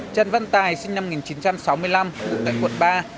trần văn tài sinh năm một nghìn chín trăm sáu mươi năm ngụ tại quận ba